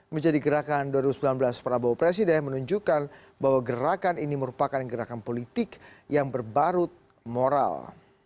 menjadi gerakan dua ribu sembilan belas prabowo presiden menunjukkan bahwa gerakan ini merupakan gerakan politik yang berbarut moral